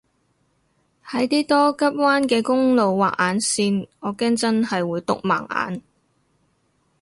喺啲多急彎嘅公路畫眼線我驚真係會篤盲眼